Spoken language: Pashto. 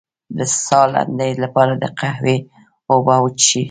د ساه لنډۍ لپاره د قهوې اوبه وڅښئ